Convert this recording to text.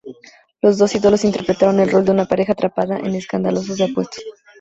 Los dos ídolos interpretaron el rol de una pareja atrapada en escándalos de apuestas.